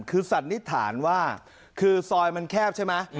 คือสันนิษฐานว่าคือซอยมันแคบใช่ไหม